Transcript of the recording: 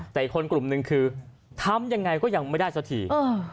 แต่อีกคนกลุ่มหนึ่งคือทำยังไงก็ยังไม่ได้สักที